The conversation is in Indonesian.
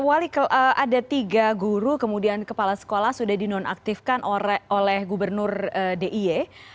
ada tiga guru kemudian kepala sekolah sudah dinonaktifkan oleh gubernur dia